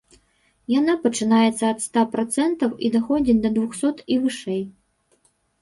Яна пачынаецца ад ста працэнтаў і даходзіць да двухсот і вышэй.